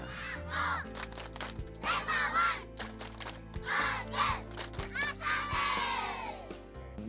kbm kbm kbm